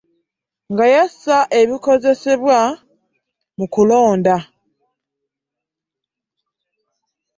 Ng'ayasa ebikozesebwa mu kulonda